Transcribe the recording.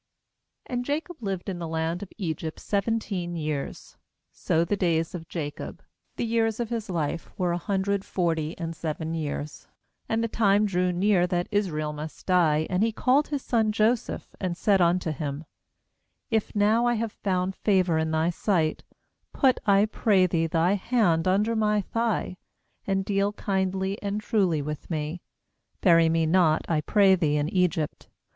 28And Jacob lived in the land of Egypt seventeen years; so the days of Jacob, the years of his life, were a hundred forty and seven years. 29And the time drew near that Israel must die; and he called his son Joseph, and said unto him: 'If now I have found favour in thy sight, put, I pray thee, thy hand under my thigh, and deal kindly and truly with me; bury me not, I pray thee, in Egypt.